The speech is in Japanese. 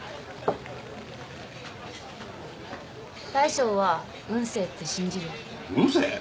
大将は運勢って信じる？運勢？